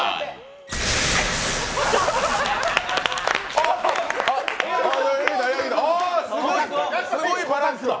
あっ、すごいバランスだ！